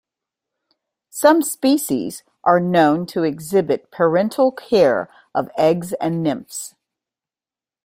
Some species are known to exhibit parental care of eggs and nymphs.